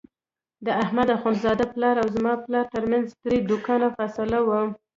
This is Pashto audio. د احمد اخوندزاده پلار او زما پلار ترمنځ درې دوکانه فاصله وه.